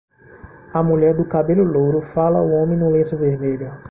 A mulher do cabelo louro fala ao homem no lenço vermelho.